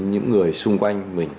những người xung quanh mình